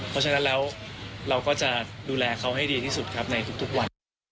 เพราะฉะนั้นแล้วเราก็จะดูแลเขาให้ดีที่สุดครับในทุกวัน